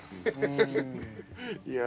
いや。